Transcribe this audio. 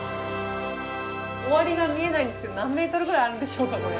終わりが見えないんですけど何ｍぐらいあるんでしょうかこれ。